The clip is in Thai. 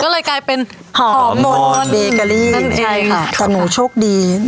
ก็เลยกลายเป็นหอมมนต์เบเกอรี่นั่นเองใช่ค่ะแต่หนูโชคดี